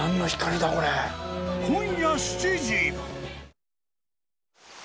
今夜７時。